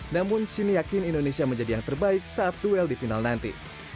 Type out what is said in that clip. namun sini yakin indonesia menjadi yang terbaik saat duel di final nanti